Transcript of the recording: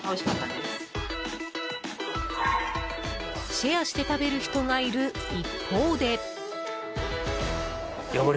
シェアして食べる人がいる一方で。